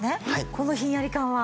このひんやり感は。